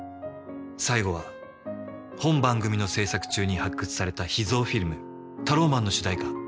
最後は本番組の制作中に発掘された秘蔵フィルムタローマンの主題歌